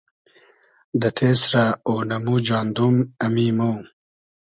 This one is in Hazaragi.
دۂ تېسرۂ اۉنئمو جاندوم ، امی مۉ